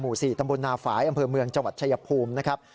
๔ตำบลนาฝ่ายอำเภอเมืองจังหวัดชายภูมินะครับ